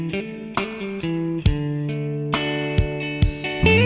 ก็เรียนอาจารย์นะครับ